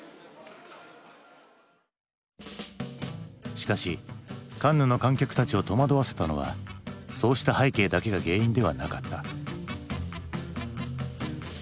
しかしカンヌの観客たちを戸惑わせたのはそうした背景だけが原因ではなかった。